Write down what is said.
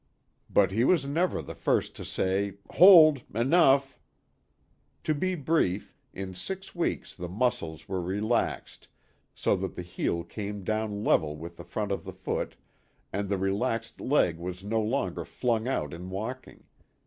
But he was never the first to say, " Hold enough !" To be brief, in six weeks the muscles were re laxed so that the heel came down level with the front of the foot and the relaxed leg was no THE GOOD SAMARITAN. l8l longer flung out in walking.